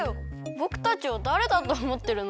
ぼくたちをだれだとおもってるの？